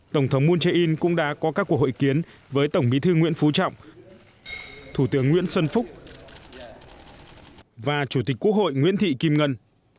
tổng thống moon jae in cũng đã có các cuộc hội kiến với tổng bí thư nguyễn phú trọng thủ tướng nguyễn xuân phúc và chủ tịch quốc hội nguyễn thị kim ngân